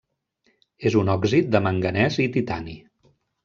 És un òxid de manganès i titani.